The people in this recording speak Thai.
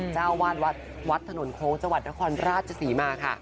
เจ้าวาดวัดไว้วาดถนนโครคจนครราชศรีมาค่ะ